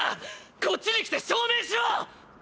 こっちに来て証明しろ！